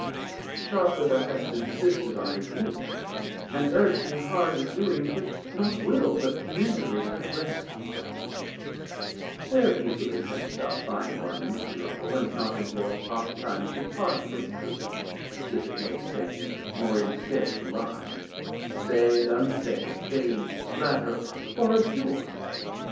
Sharply thou hast insisted on rebuke, And urg'd me hard with doings, which not will But misery hath rested from me; where 470 Easily canst thou find one miserable, And not inforc'd oft times to part from truth; If it may stand him more in stead to lye, Say and unsay, feign, flatter, or abjure?